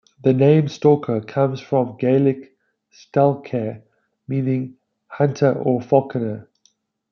The name "Stalker" comes from the Gaelic "Stalcaire", meaning "hunter" or "falconer".